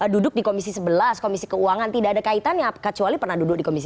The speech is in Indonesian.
duduk di komisi sebelas komisi keuangan tidak ada kaitannya kecuali pernah duduk di komisi tiga